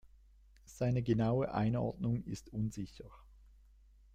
Seine genaue Einordnung ist unsicher.